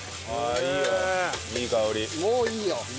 いいよ。